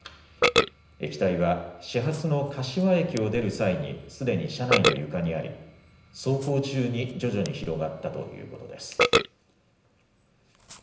液体は始発の柏駅を出る際にすでに車内の床にあり、走行中に徐々に広がったということです。